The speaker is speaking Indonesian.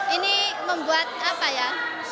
ini membuat apa ya